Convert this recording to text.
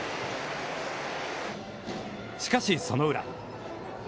しかし、その裏。